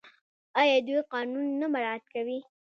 آیا دوی قانون نه مراعات کوي؟